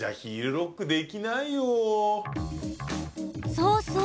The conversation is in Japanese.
そうそう。